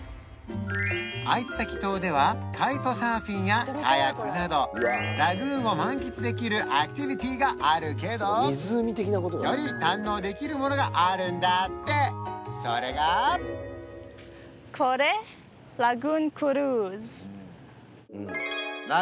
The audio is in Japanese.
アイツタキ島ではカイトサーフィンやカヤックなどラグーンを満喫できるアクティビティがあるけどより堪能できるものがあるんだってそれが早速出発！